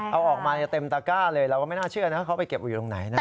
เอาออกมาเต็มตะก้าเลยเราก็ไม่น่าเชื่อนะเขาไปเก็บอยู่ตรงไหนนะ